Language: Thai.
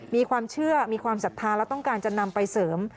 มีความเชื่อมีความศรัทธาและต้องการจะนำไปเสริม